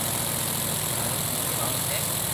ٿارو نوم ڪاؤ ھي